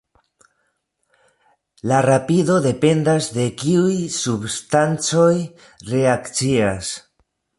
La rapido dependas de kiuj substancoj reakcias.